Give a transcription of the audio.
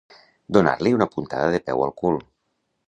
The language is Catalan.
Donar-li una puntada de peu al cul.